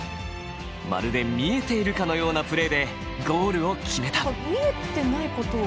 まるで見えているかのようなプレーでゴールを決めた。